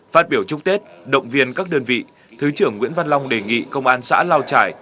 phát biểu chúc tết động viên các đơn vị thứ trưởng nguyễn văn long đề nghị công an xã lao trải